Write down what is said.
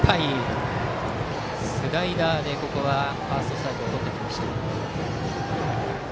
スライダーでファーストストライクをとりました。